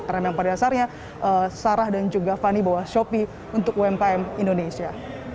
karena memang pada dasarnya sarah dan juga fanny bawa sopi untuk umkm indonesia